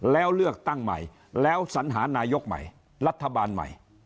แล้วเลือกตั้งใหม่แล้วสัญหานายกใหม่รัฐบาลใหม่